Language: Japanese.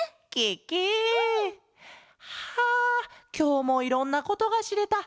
ケケ！はあきょうもいろんなことがしれた。